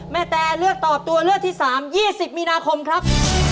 แม่แต่เลือกตอบตัวเลือกที่สามยี่สิบมีนาคมครับ